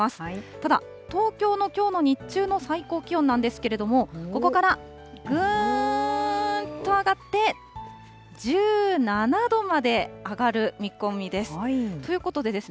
ただ、東京のきょうの日中の最高気温なんですけれども、ここからぐーんと上がって、１７度まで上がる見込みです。